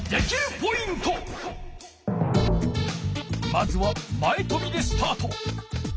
まずは前とびでスタート。